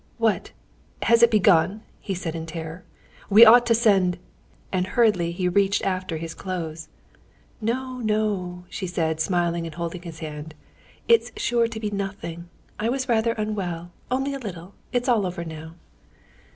"What? has it begun?" he said in terror. "We ought to send...." and hurriedly he reached after his clothes. "No, no," she said, smiling and holding his hand. "It's sure to be nothing. I was rather unwell, only a little. It's all over now."